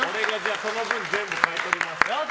俺がその分全部買い取ります。